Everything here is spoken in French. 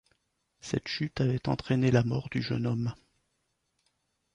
Cette chute avait entrainé la mort du jeune homme.